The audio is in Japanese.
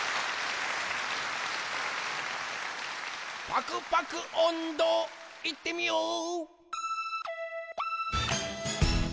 パクパクおんど、いってみよう！